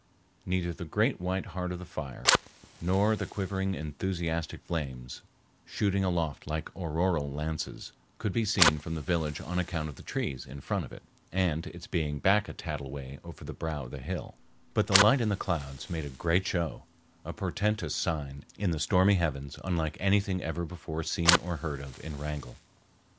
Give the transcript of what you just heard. Neither the great white heart of the fire nor the quivering enthusiastic flames shooting aloft like auroral lances could be seen from the village on account of the trees in front of it and its being back a little way over the brow of the hill; but the light in the clouds made a great show, a portentous sign in the stormy heavens unlike anything ever before seen or heard of in Wrangell.